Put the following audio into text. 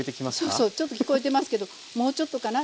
そうそうちょっと聞こえてますけどもうちょっとかな？